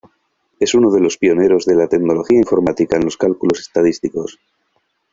Es uno de los pioneros de la tecnología informática en los cálculos estadísticos.